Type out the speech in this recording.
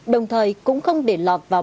đồng thời cũng không để lọt vào